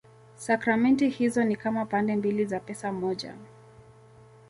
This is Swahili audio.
Sakramenti hizo ni kama pande mbili za pesa moja.